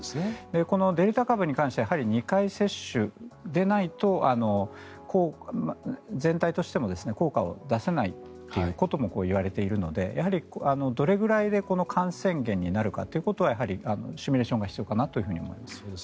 このデルタ株に関してはやはり２回接種でないと全体としても効果を出せないということもいわれているのでどれくらいで感染源になるかということはシミュレーションが必要かなと思います。